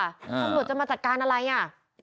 ตำรวจจะมาจัดการอะไรอ่ะ